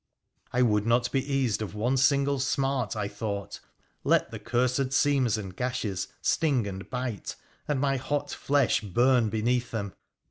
I would not be eased of one single smart, I thought — let the cursed seams and gashes sting and bite, and my hot flesh burn beneath them